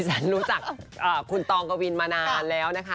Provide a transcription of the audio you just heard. ฉันรู้จักคุณตองกวินมานานแล้วนะคะ